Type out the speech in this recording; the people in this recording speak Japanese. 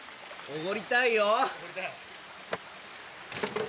おごりたいよ！